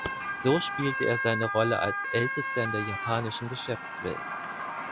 So spielte er seine Rolle als Ältester in der japanischen Geschäftswelt.